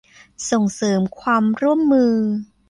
ส่งเสริมความร่วมมือ